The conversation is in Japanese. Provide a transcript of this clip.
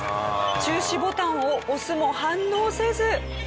中止ボタンを押すも反応せず。